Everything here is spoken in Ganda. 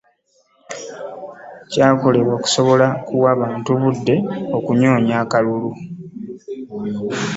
Kyakolebwa okusobola okuwa abantu obudde okunoonya akalulu